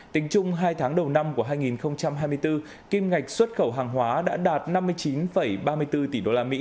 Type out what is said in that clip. tính chung hai tháng đầu năm của hai nghìn hai mươi bốn kim ngạch xuất khẩu hàng hóa đã đạt năm mươi chín ba mươi bốn tỷ usd